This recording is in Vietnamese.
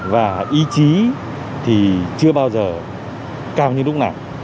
và ý chí thì chưa bao giờ cao như lúc nào